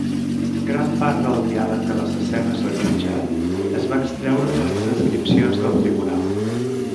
Gran part del diàleg de les escenes al jutjat es va extreure de les transcripcions del tribunal.